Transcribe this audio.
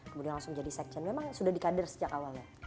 kemudian langsung jadi sekjen memang sudah di kader sejak awalnya